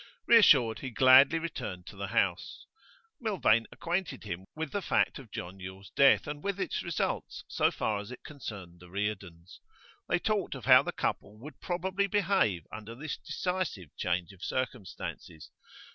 Reassured, he gladly returned to the house. Milvain acquainted him with the fact of John Yule's death, and with its result so far as it concerned the Reardons. They talked of how the couple would probably behave under this decisive change of circumstances.